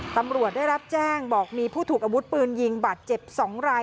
ตำรวจได้รับแจ้งบอกมีผู้ถูกอาวุธปืนยิงบาดเจ็บ๒ราย